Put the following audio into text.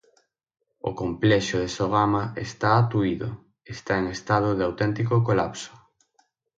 O complexo de Sogama está atuído, está en estado de auténtico colapso.